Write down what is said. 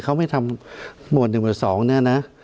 เขาไม่ทำหมวด๑หมวด๒เนี่ยนะ